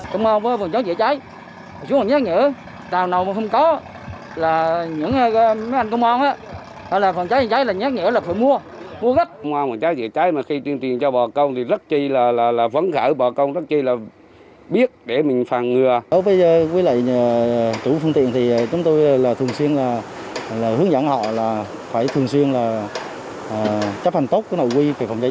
hướng dẫn họ là phải thường xuyên chấp hành tốt nội quy về phòng cháy chữa cháy